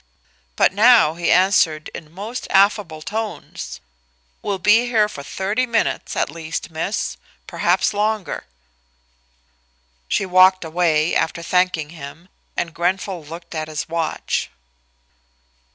But now he answered in most affable tones: "We'll be here for thirty minutes, at least, Miss perhaps longer." She walked away, after thanking him, and Grenfall looked at his watch.